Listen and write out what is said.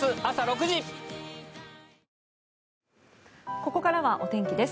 ここからはお天気です。